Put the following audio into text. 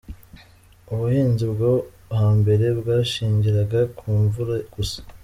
Ubuhinzi bwo hambere bwashingiraga ku mvura gusa.